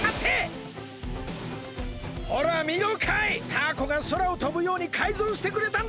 タアコがそらをとぶようにかいぞうしてくれたんだ！